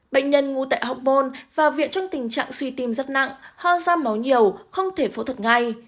bệnh nhân ngu tại học môn và viện trong tình trạng suy tim rất nặng hoa ra máu nhiều không thể phẫu thuật ngay